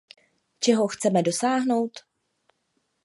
Čeho chceme dosáhnout?